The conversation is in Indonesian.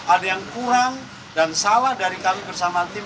ada yang kurang dan salah dari kami bersama tim